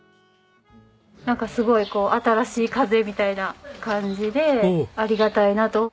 なんかすごいこう新しい風みたいな感じでありがたいなと。